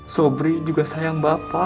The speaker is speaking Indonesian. sobri juga sayang bapak